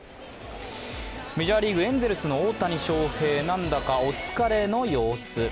メジャーリーグ、エンゼルスの大谷翔平何だかお疲れの様子。